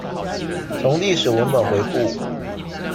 從歷史文本回顧